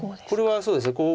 これはそうですね。